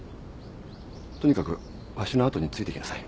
とにかくわしの後について来なさい。